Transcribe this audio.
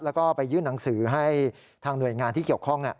แล้วก็ไปยื่นหนังสือให้ทางหน่วยงานที่เกี่ยวข้อง